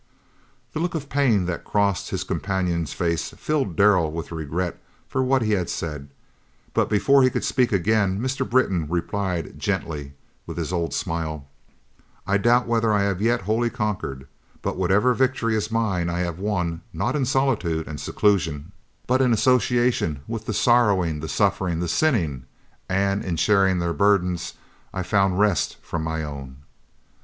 The look of pain that crossed his companion's face filled Darrell with regret for what he had said, but before he could speak again Mr. Britton replied gently, with his old smile, "I doubt whether I have yet wholly conquered; but whatever victory is mine, I have won, not in solitude and seclusion, but in association with the sorrowing, the suffering, the sinning, and in sharing their burdens I found rest from my own."